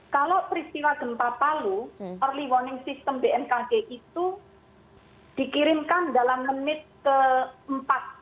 kalau peristiwa gempa palu early warning system bmkg itu dikirimkan dalam menit keempat